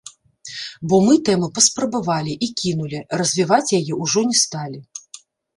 Бо мы тэму паспрабавалі, і кінулі, развіваць яе ўжо не сталі.